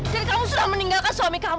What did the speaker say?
dan kamu sudah meninggalkan suami kamu